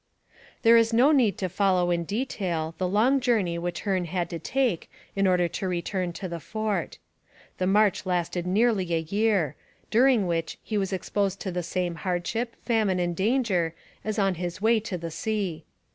There is no need to follow in detail the long journey which Hearne had to take in order to return to the fort. The march lasted nearly a year, during which he was exposed to the same hardship, famine and danger as on his way to the sea.